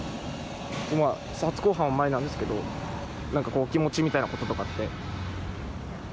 今、初公判前なんですけど、なんかお気持ちみたいなこととかって？